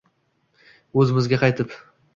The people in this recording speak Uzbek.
O'zimizga qaytib